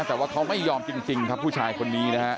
แต่ว่าเขาไม่ยอมจริงครับผู้ชายคนนี้นะฮะ